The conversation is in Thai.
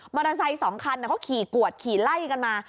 มอเตอร์ไซส์๒คันเขาขี่กวดขี่ไล่กันมา